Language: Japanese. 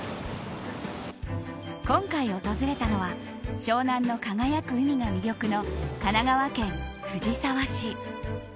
今回訪れたのは湘南の輝く海が魅力の神奈川県藤沢市。